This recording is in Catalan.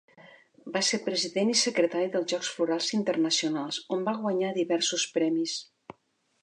Va ser president i secretari dels Jocs Florals Internacionals, on va guanyar diversos premis.